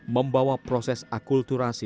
membawa proses akulturasi